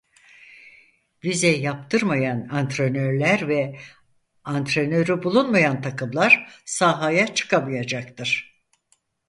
Vize yaptırmayan antrenörler ve antrenörü bulunmayan takımlar sahaya çıkamayacaktır.